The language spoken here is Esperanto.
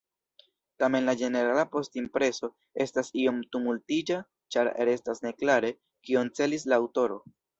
Tamen la ĝenerala postimpreso estas iom tumultiga, ĉar restas neklare, kion celis la aŭtoro.